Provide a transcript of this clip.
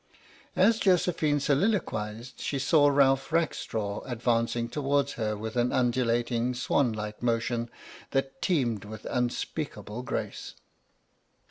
As Josephine soliloquized, she saw Ralph Rack straw advancing towards her with an undulating swan like motion that teemed with unspeakable grace.